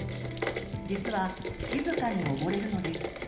実は静かに溺れるのです。